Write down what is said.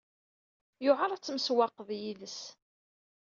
Yewɛeṛ ad temsewwaqeḍ yid-s.